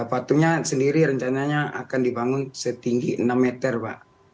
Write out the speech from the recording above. patungnya sendiri rencananya akan dibangun setinggi enam meter pak